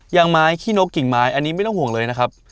ยางไม้ขี้นกกิ่งไม้อันนี้ไม่ต้องห่วงเลยนะครับ